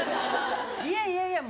いやいやいや